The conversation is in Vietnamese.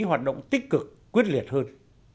hoạt động tích cực quyết liệt hơn